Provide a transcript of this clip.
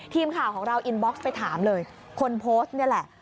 ทีมข่าวของเราอินบ็อกซ์ไปถามเลยคนโพสต์นี่แหละ